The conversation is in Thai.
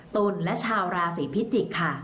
ตุลและชาวราศีพิจิกษ์ค่ะ